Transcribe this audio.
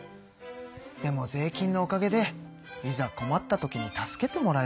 でも税金のおかげでいざこまった時に助けてもらえるのか。